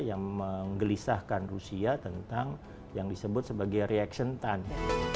yang menggelisahkan rusia tentang yang disebut sebagai reaction time